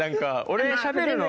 俺しゃべるの。